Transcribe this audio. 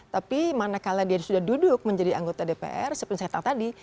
tapi mana kala dia sudah duduk menjadi anggota dpr seperti saya katakan tadi